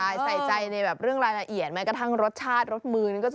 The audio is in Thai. ใช่เสียใจในเรื่องรายละเอียดแม้กระทั่งรสชาติรสมื้อนี้